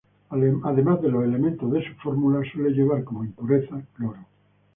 Además de los elementos de su fórmula, suele llevar como impureza cloro.